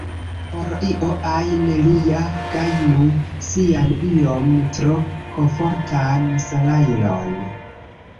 Por io ajn li ja gajnu sian iom tro komfortan salajron.